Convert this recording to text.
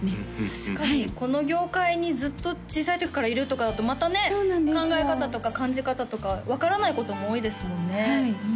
確かにこの業界にずっと小さい時からいるとかだとまたね考え方とか感じ方とか分からないことも多いですもんね